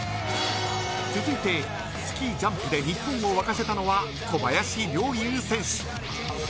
続いてスキージャンプで日本を沸かせたのは小林陵侑選手。